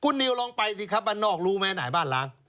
คุณนิวลองไปสิครับบ้านนอกรู้ไหมไหนบ้านล้าง